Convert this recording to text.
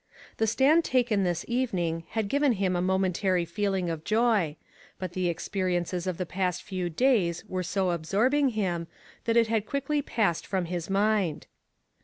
The stand taken this evening had given him a momentary feeling of joy ; but the experiences of the past few days were so absorbing him, that it had quickly passed from his mind.